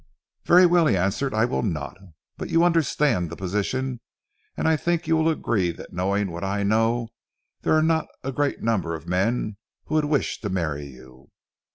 "Very well," he answered. "I will not. But you understand the position, and I think you will agree that knowing what I know there are not a great number of men who would wish to marry you."